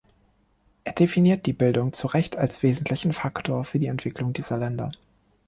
Er definiert die Bildung zu Recht als wesentlichen Faktor für die Entwicklung dieser Länder.